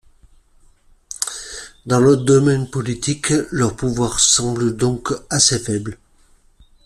Dans le domaine politique, leur pouvoir semble donc assez faible.